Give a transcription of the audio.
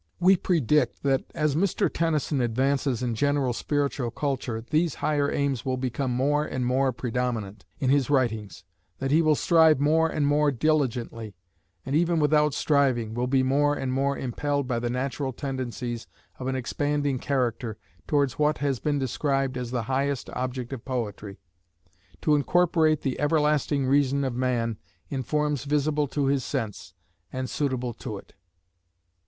We predict, that, as Mr. Tennyson advances in general spiritual culture, these higher aims will become more and more predominant in his writings; that he will strive more and more diligently, and, even without striving, will be more and more impelled by the natural tendencies of an expanding character, towards what has been described as the highest object of poetry, 'to incorporate the everlasting reason of man in forms visible to his sense, and suitable to it.'"